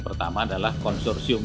menyiapkan pemilihan konsorsium